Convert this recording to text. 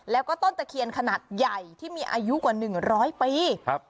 แล้วก็ต้นตะเคียนขนาดใหญ่ที่มีอายุกว่าหนึ่งร้อยปีครับ